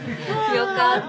よかったね。